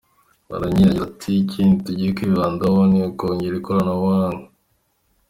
Mporanyi yagize ati “Ikindi tugiye kwibandaho ni ukongera ikoranabuhanga.